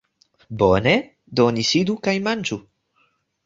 Bone, do ni sidu kaj manĝu